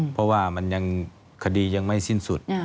เพราะว่ามันยังคดียังไม่สิ้นสุด